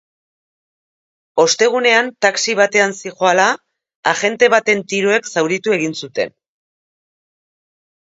Ostegunean, taxi batean zihoala, agente baten tiroek zauritu egin zuten.